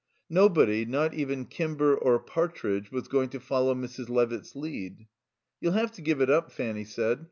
Nobody, not even Kimber or Partridge, was going to follow Mrs. Levitt's lead. "You'll have to give it up," Fanny said.